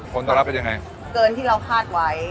ผลตอบรับเป็นยังไงเกินที่เราคาดไว้